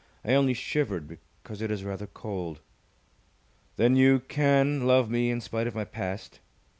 I only shivered because it is rather cold." "Then you can love me in spite of my past?"